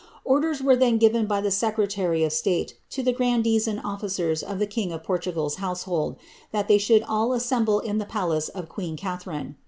Orders were then given by the secretary of state to the grandees and officers of the king of Portugai^s hoosehaUi that they should all assemble in the palace of queen Oathuine.